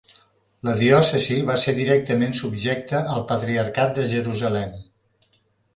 La diòcesi va ser directament subjecta al patriarcat de Jerusalem.